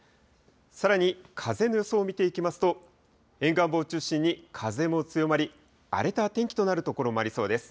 さらに風の予想を見ていきますと、沿岸部を中心に風も強まり、荒れた天気となる所もありそうです。